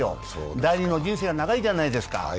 第２の人生が長いじゃないですか